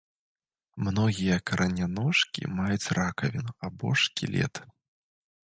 Многія караняножкі маюць ракавіну або шкілет.